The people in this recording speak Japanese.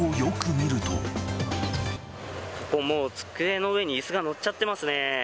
しかし、もう、机の上にいすが載っちゃってますね。